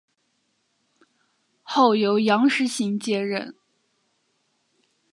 后由杨时行接任。